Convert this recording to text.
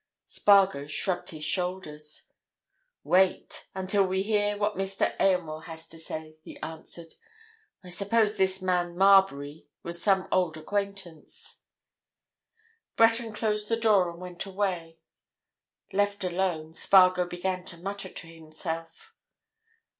Spargo shrugged his shoulders. "Wait—until we hear what Mr. Aylmore has to say," he answered. "I suppose this man Marbury was some old acquaintance." Breton closed the door and went away: left alone, Spargo began to mutter to himself.